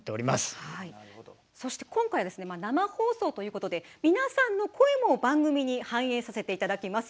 そして今回はですね生放送ということで皆さんの声も番組に反映させていただきます。